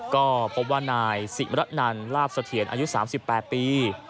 ก็พบว่านายสิมระนันลาบเสถียรอายุ๓๘ปี